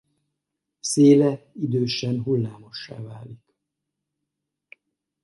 Széle idősen hullámossá válik.